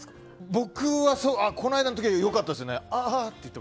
僕は、この間の時は良かったですね。